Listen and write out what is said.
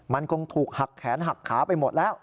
มันคงถูกหักแขนหักขาไปหมดแล้ว